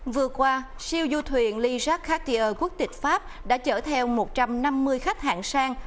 vừa qua siêu du thuyền leisure cartier quốc tịch pháp đã chở theo một trăm năm mươi khách hàng sang